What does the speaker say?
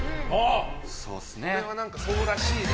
これはそうらしいね。